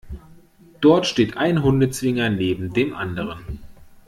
Dort steht ein Hundezwinger neben dem anderen.